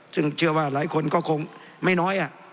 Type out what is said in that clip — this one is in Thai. ซึ่งเชื่อว่าหลายคนก็คงไม่น้อย